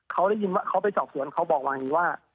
เขาได้ยินว่าเขาไปสอบสวนเขาบอกมาอย่างนี้ว่า